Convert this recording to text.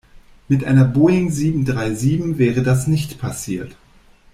Mit einer Boeing sieben-drei-sieben wäre das nicht passiert.